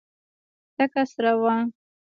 تکه سره وه.